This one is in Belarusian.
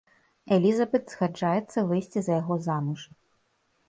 Элізабэт згаджаецца выйсці за яго замуж.